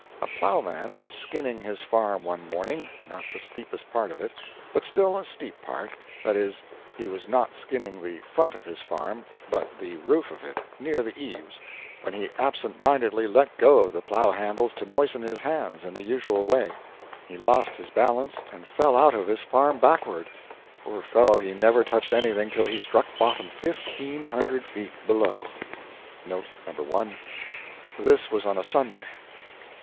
A plowman was skinning his farm one morning not the steepest part of it, but still a steep part that is, he was not skinning the front of his farm, but the roof of it, near the eaves when he absent mindedly let go of the plow handles to moisten his hands, in the usual way; he lost his balance and fell out of his farm backward; poor fellow, he never touched anything till he struck bottom, fifteen hundred feet below. [This was on a Sunday.